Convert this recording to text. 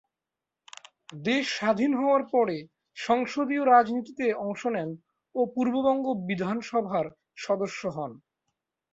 দেশ স্বাধীন হওয়ার পরে সংসদীয় রাজনীতিতে অংশ নেন ও পূর্ববঙ্গ বিধানসভার সদস্য হন।